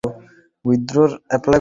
তাদের আল্লাহর দিকে আহবান কর।